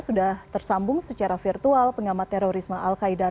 sudah tersambung secara virtual pengamat terorisme al qaidar